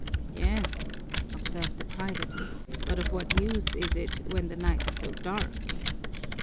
"Yes," observed the private, "but of what use is it when the night is so dark?"